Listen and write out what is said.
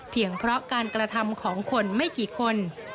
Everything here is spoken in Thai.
เพราะการกระทำของคนไม่กี่คน